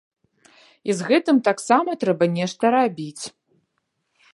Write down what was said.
І з гэтым таксама трэба нешта рабіць.